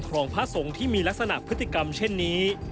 ของพระสงฆ์ที่มีลักษณะพฤติกรรมเช่นนี้